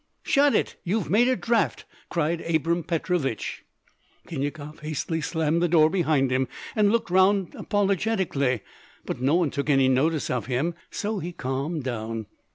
"Shut it! You've made a draught," cried Abram Petrovich. Khinyakov hastily slammed the door behind him, and looked round apologetically; but no one took any notice of him, so he calmed down.